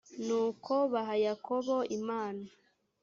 nuko baha yakobo imana